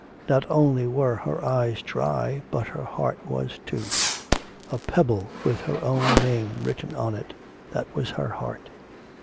Not only were her eyes dry, but her heart was too. A pebble with her own name written on it, that was her heart.